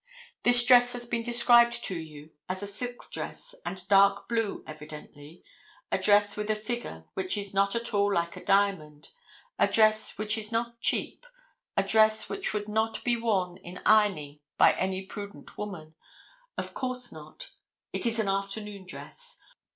This dress has been described to you as a silk dress and dark blue evidently, a dress with a figure which is not at all like a diamond, a dress which is not cheap, a dress which would not be worn in ironing by any prudent woman, of course not. It is an afternoon dress.